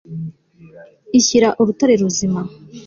ishyira urutare ruzima